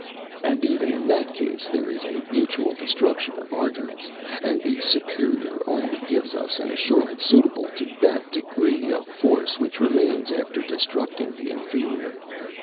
And even in that case there is a mutual destruction of arguments, and the superior only gives us an assurance suitable to that degree of force which remains after deducting the inferior.'